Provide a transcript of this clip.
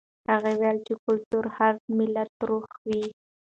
هغه وویل چې کلتور د هر ملت روح وي.